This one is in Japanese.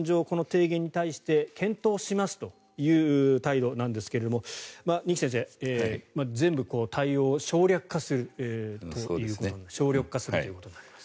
この提言に対して検討しますという態度なんですが二木先生、全部対応を省力化するということです。